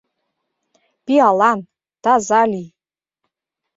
Пиалан, таза лий!